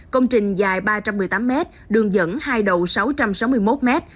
công trình dài ba trăm một mươi tám mét đường dẫn hai đầu sáu trăm sáu mươi một m